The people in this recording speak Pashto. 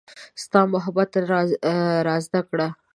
ستا محبت را زده کړه